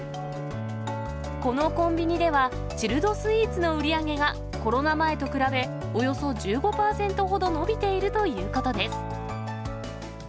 このコンビニでは、チルドスイーツの売り上げがコロナ前と比べ、およそ１５％ほど伸びているということです。